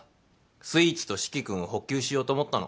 スイーツと四鬼君を補給しようと思ったの。